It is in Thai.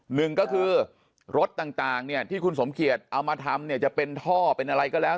หนึ่งก็คือรถต่างเนี่ยที่คุณสมเกียจเอามาทำเนี่ยจะเป็นท่อเป็นอะไรก็แล้ว